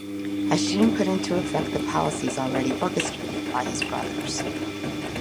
Hashim put into effect the policies already orchestrated by his brothers.